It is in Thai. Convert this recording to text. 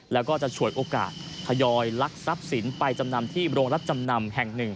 แล้วก็จะฉวยโอกาสทยอยลักทรัพย์สินไปจำนำที่โรงรับจำนำแห่งหนึ่ง